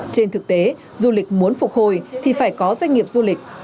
trên thực tế du lịch muốn phục hồi thì phải có doanh nghiệp du lịch